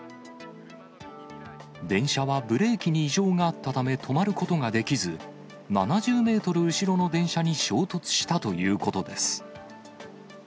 電車はブレーキに異常があったため止まることができず、７０メートル後ろの電車に衝突したということです。